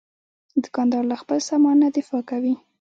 دوکاندار له خپل سامان نه دفاع کوي.